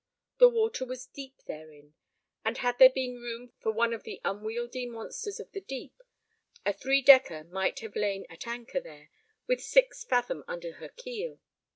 The water was deep therein; and had there been room for one of the unwieldy monsters of the deep, a three decker might have lain at anchor there with six fathom under her keel.